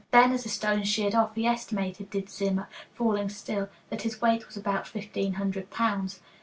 Then, as the stone sheered off, he estimated, did Zimmer (falling still), that its weight was about fifteen hundred pounds.